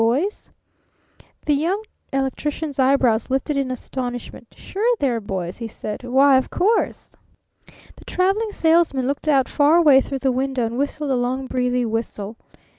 "Boys?" The Young Electrician's eyebrows lifted in astonishment. "Sure they're boys!" he said. "Why, of course!" The Traveling Salesman looked out far away through the window and whistled a long, breathy whistle.